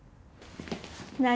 何？